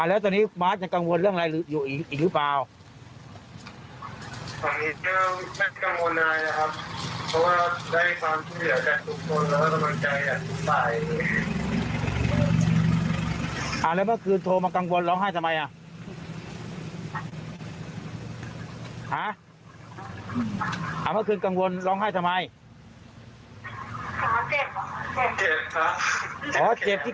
อ่ะหาอ่าเมื่อคืนกังวลร้องไห้ทำไมอ่าเจ็บอ่าเจ็บอ๋อเจ็บที่